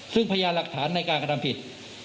ซึ่งพยานหลักฐานในการกระทำผิด